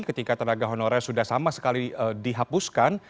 ketika tenaga honorer sudah sama sekali dihapuskan